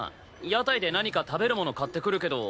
屋台で何か食べるもの買ってくるけど。